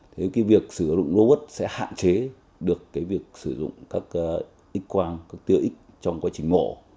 thế cái việc sử dụng robot sẽ hạn chế được cái việc sử dụng các x quang các tia x trong quá trình mổ